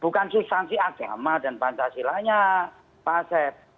bukan substansi agama dan pancasilanya pak asep